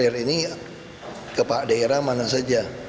uji materi ini ke pak daerah mana saja